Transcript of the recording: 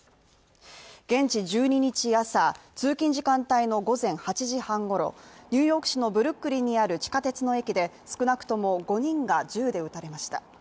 現地１２日朝、通勤時間帯の午前８時半ごろニューヨーク市のブルックリンにある地下鉄の駅で少なくとも５人が銃で撃たれました。